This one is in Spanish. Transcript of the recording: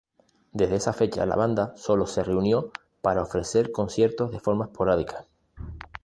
Desde esa fecha la banda solo se reunió para ofrecer conciertos de forma esporádica.